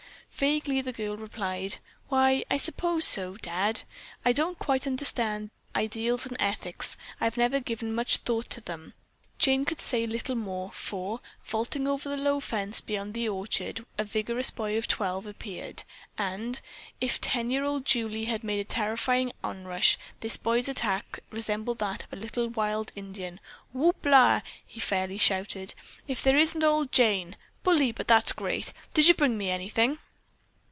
Vaguely the girl replied, "Why, I suppose so, Dad. I don't quite understand ideals and ethics. I've never given much thought to them." Jane could say no more, for, vaulting over the low fence beyond the orchard, a vigorous boy of twelve appeared, and, if ten year old Julie had made a terrifying onrush, this boy's attack resembled that of a little wild Indian. "Whoopla!" he fairly shouted, "If here isn't old Jane! Bully, but that's great! Did you bring me anything?"